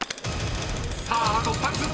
［さああと２つ。